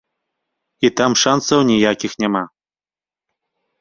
І там шанцаў ніякіх няма.